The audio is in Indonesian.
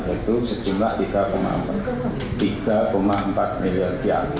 itu sejumlah rp tiga empat miliar